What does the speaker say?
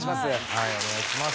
はいお願いします。